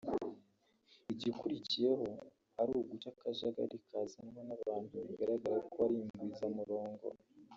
igikurikiyeho ari uguca akajagari kazanwa n’abantu bigaragara ko ari ingwizamurongo